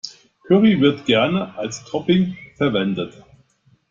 Curry wird gerne als Topping verwendet.